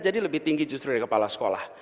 jadi lebih tinggi justru dari kepala sekolah